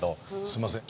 すいません。